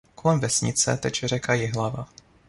Kolem vesnice teče řeka Jihlava.